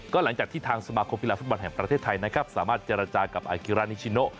ก็หลังจากที่ทางสมาคมกีฬาฟุตบอลแห่งประเทศไทยนะครับสามารถเจรจากับอากิรานิชิโน